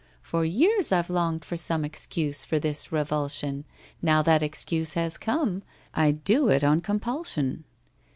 "For years I've longed for some Excuse for this revulsion: Now that excuse has come— I do it on compulsion!!!"